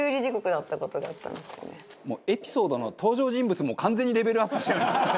もうエピソードの登場人物も完全にレベルアップしてますね。